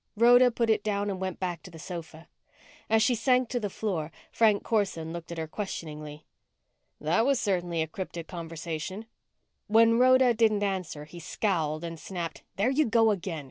Rhoda put it down and went back to the sofa. As she sank to the floor, Frank Corson looked at her questioningly. "That was certainly a cryptic conversation." When Rhoda didn't answer, he scowled and snapped, "There you go again.